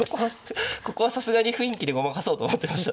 ここはさすがに雰囲気でごまかそうと思ってました。